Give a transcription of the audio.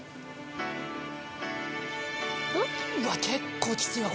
うわ結構きついわこれ。